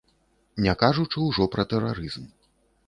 Не кажучы ўжо пра тэрарызм.